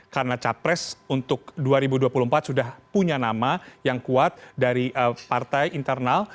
karena capres untuk dua ribu dua puluh empat sudah punya nama yang kuat dari partai internal